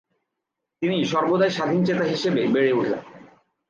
তিনি সর্বদাই স্বাধীনচেতা হিশেবে বেড়ে উঠেন।